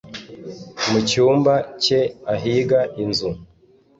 Mucyumba cye ahiga inzu